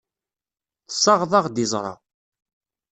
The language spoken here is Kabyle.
Tessaɣeḍ-aɣ-d iẓra.